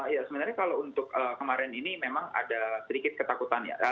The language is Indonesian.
ya sebenarnya kalau untuk kemarin ini memang ada sedikit ketakutan ya